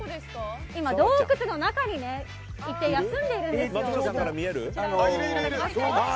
洞くつの中にいて休んでいるんですよ。